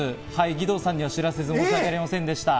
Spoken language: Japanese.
義堂さんには知らせず申しわけありませんでした。